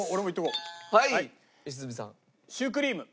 はい良純さん。シュークリーム。